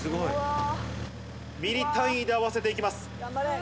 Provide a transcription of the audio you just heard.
ミリ単位で合わせていきます。